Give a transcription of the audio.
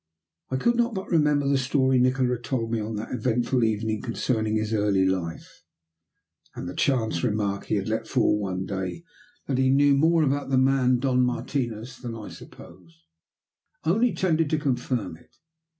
I could not but remember the story Nikola had told me on that eventful evening concerning his early life, and the chance remark he had let fall one day that he knew more about the man, Don Martinos, than I supposed, only tended to confirm it.